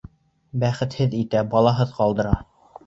Бәхетһеҙ итә, балаһыҙ ҡалдыра...